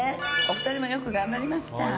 お二人もよく頑張りました。